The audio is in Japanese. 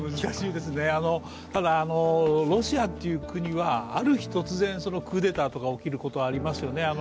難しいですね、ただロシアという国はある日突然、クーデターが起きることがありますよね